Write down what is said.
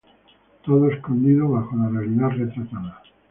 Todos escondidos bajo la realidad retratada.